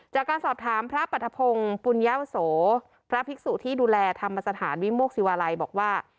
จากการสอบถามพระปรัฐพงศ์ปุญญาวโสพระภิกษุที่ดูแลธรรมสถานวิโมกศิวาลัยบอกว่า